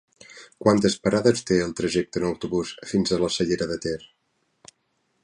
Quantes parades té el trajecte en autobús fins a la Cellera de Ter?